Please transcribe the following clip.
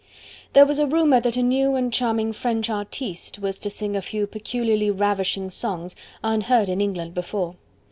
There was a rumour that a new and charming French artiste was to sing a few peculiarly ravishing songs, unheard in England before.